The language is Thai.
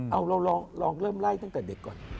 เอาเราลองเริ่มไล่ตั้งแต่เด็กก่อน